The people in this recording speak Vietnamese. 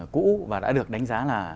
cũ và đã được đánh giá là